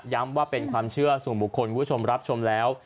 ว่าเป็นความเชื่อสู่บุคคลคุณผู้ชมรับชมแล้ว